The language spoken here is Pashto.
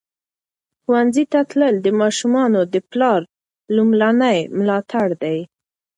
ښوونځي ته تلل د ماشومانو د پلار لومړنی ملاتړ دی.